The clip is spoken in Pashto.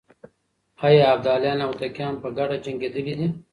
آيا ابداليان او هوتکان په ګډه جنګېدلي دي؟